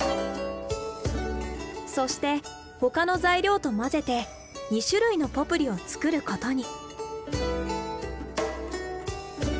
そして他の材料と混ぜて２種類のポプリを作ることに。